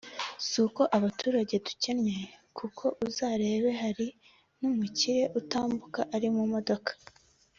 si uko abaturage dukennye kuko uzarebe hari n’umukire utambuka ari mu modoka